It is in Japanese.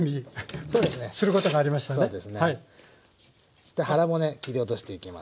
そして腹骨切り落としていきます。